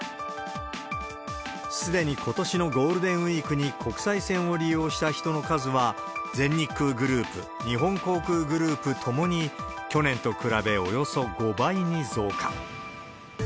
すでにことしのゴールデンウィークに国際線を利用した人の数は、全日空グループ、日本航空グループともに去年と比べおよそ５倍に増加。